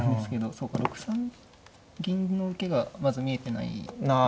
そうか６三銀の受けがまず見えてないですね。